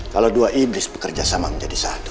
kalau dua iblis bekerja sama menjadi satu